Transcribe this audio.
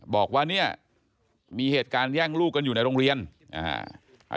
บอกว่าเนี่ยมีเหตุการณ์แย่งลูกกันอยู่ในโรงเรียนอ่า